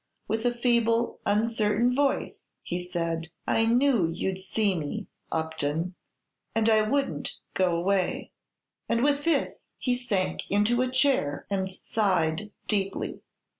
With a feeble, uncertain voice, he said, "I knew you 'd see me, Upton, and I would n't go away!" And with this he sank into a chair and sighed deeply.